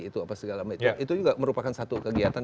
itu juga merupakan satu kegiatan